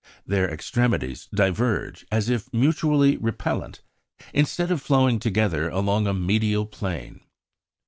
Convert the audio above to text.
" Their extremities diverge, as if mutually repellent, instead of flowing together along a medial plane.